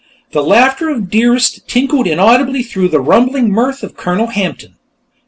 The laughter of Dearest tinkled inaudibly through the rumbling mirth of Colonel Hampton.